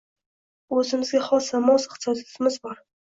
Bu oʻzimizga xos va mos iqtisodiyotimiz bor.